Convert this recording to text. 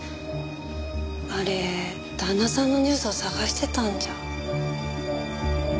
あれ旦那さんのニュースを探してたんじゃ。